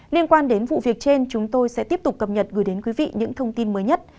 liên quan đến vụ việc trên chúng tôi sẽ tiếp tục cập nhật gửi đến quý vị những thông tin mới nhất